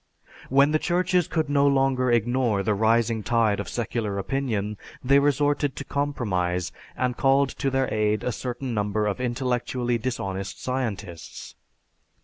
When the Churches could no longer ignore the rising tide of secular opinion, they resorted to compromise and called to their aid a certain number of intellectually dishonest scientists.